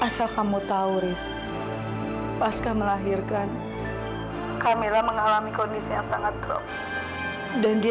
sampai jumpa di video selanjutnya